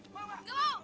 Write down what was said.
gak mau gak mau